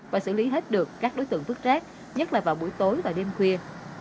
và xử lý hết được các đối tượng vứt rác nhất là vào buổi tối và đêm khuya